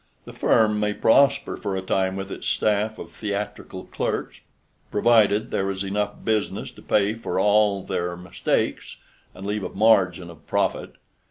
The firm may prosper for a time with its staff of theatrical clerks, provided there is enough business to pay for all their mistakes and leave a margin of profit.